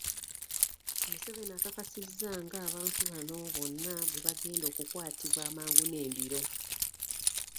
Museveni akakasizza ng'abantu bano bonna bwe bagenda okukwatibwa amangu n'embiro.